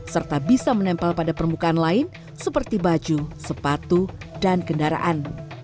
serta bisa menempel pada permukaan lain seperti baju sepatu dan kendaraan